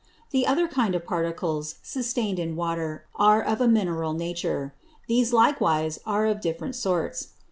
The other kind of Particles sustain'd in Water are of a Mineral Nature. These likewise are of different sorts.